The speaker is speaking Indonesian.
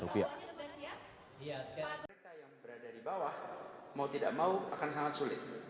sekarang mereka yang berada di bawah mau tidak mau akan sangat sulit